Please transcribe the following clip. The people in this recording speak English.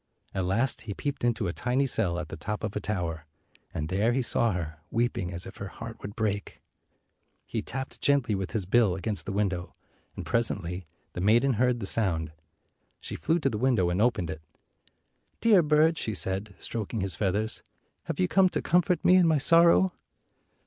At last he peeped into a tiny cell at the top of a tower, and there he saw her, weeping as if her heart would break. He tapped gently with his bill against the window, and presently the maiden heard the sound. She flew to the window and opened it. "Dear bird," she said, stroking his feathers, "have you come to comfort me in my sorrow?"